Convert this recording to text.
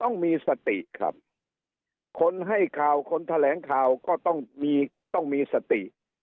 ต้องมีสติครับคนให้ข่าวคนแถลงข่าวก็ต้องมีต้องมีสติ